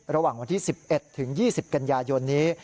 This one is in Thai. ระหว่างวันที่๑๑ถึง๒๐กันยายนนี้